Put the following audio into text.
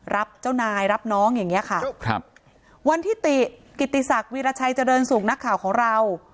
รับเจ้านายรับน้องอย่างเงี้ยค่ะครับวันที่ติกิติศักดิราชัยเจริญสุขนักข่าวของเรา